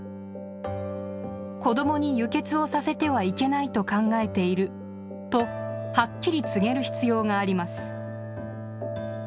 子どもに輸血をさせてはいけないと考えている、とはっきり告げる必要があります。